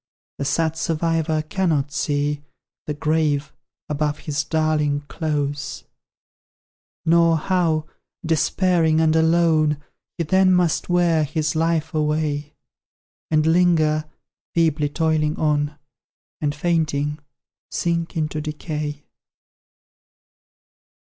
The sad survivor cannot see The grave above his darling close; Nor how, despairing and alone, He then must wear his life away; And linger, feebly toiling on, And fainting, sink into decay.